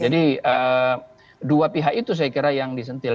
jadi dua pihak itu saya kira yang disentil